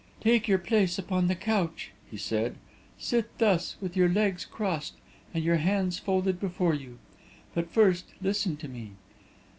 "Take your place upon the couch," he said; "sit thus, with your legs crossed, and your hands folded before you. But first, listen to me.